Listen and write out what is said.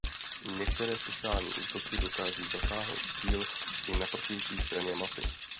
Některé speciální útoky dokáží zasáhnout cíl i na protější straně mapy.